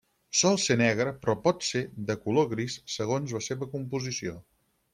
Sol ser negre però pot ser de color gris segons la seva composició.